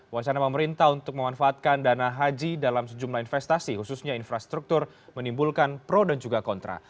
wacana pemerintah untuk memanfaatkan dana haji dalam sejumlah investasi khususnya infrastruktur menimbulkan pro dan juga kontra